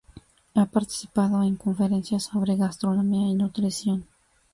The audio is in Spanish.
Ha participado en conferencias sobre gastronomía y nutrición.